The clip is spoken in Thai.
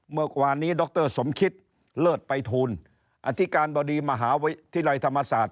เมื่อวานนี้ดรสมคิตเลิศไปทูลอธิการบดีมหาวิทยาลัยธรรมศาสตร์